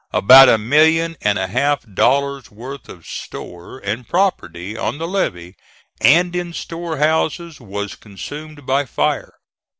About a million and a half dollars' worth of store and property on the levee and in storehouses was consumed by fire.